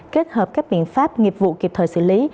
kết hợp các biện pháp nghiệp vụ kịp thời xử lý